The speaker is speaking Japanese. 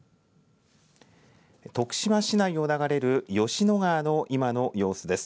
徳島市内を流れる吉野川の今の様子です。